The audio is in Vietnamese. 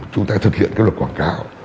chúng ta thực hiện cái luật quảng cáo